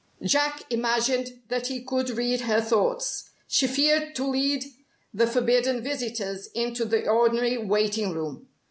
Jack imagined that he could read her thoughts. She feared to lead the forbidden visitors into the ordinary waiting room.